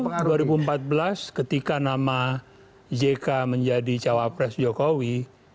saya ingat dulu dua ribu empat belas ketika nama jk menjadi cawapres jokowi